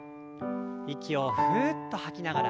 息をふうっと吐きながら。